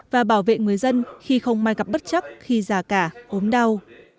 và bảo vệ người dân khi không mai gặp bất chấp khi già cả ốm đau